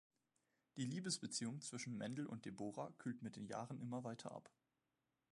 Die Liebesbeziehung zwischen Mendel und Deborah kühlt mit den Jahren immer weiter ab.